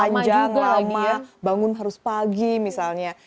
panjang lama bangun harus pagi misalnya